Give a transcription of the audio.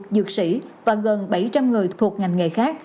dược sĩ và gần bảy trăm linh người thuộc ngành nghề khác